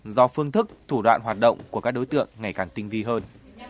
do phương thức thủ đoạn hoạt động của các đối tượng ngày càng tinh vi hơn